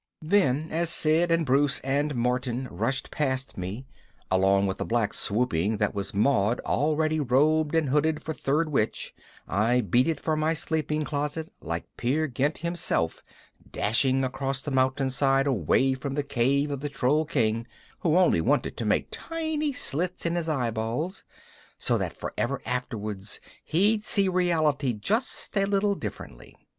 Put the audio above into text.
Then as Sid and Bruce and Martin rushed past me, along with a black swooping that was Maud already robed and hooded for Third Witch, I beat it for my sleeping closet like Peer Gynt himself dashing across the mountainside away from the cave of the Troll King, who only wanted to make tiny slits in his eyeballs so that forever afterwards he'd see reality just a little differently.